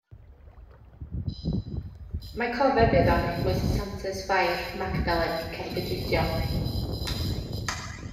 Mae cofeb iddo yn Eglwys y Santes Fair Magdalen, Cerrigydrudion.